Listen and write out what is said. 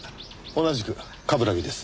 同じく冠城です。